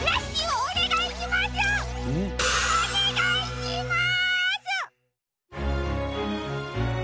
おねがいします！